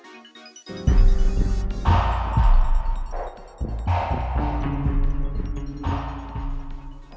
tidak ada yang mau diberi alih